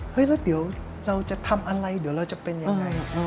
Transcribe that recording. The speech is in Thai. แล้วเดี๋ยวเราจะทำอะไรเดี๋ยวเราจะเป็นยังไง